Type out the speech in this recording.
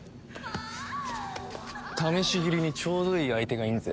試し斬りにちょうどいい相手がいんぜ。